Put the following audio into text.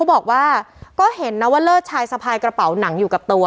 บอกว่าก็เห็นนะว่าเลิศชายสะพายกระเป๋าหนังอยู่กับตัว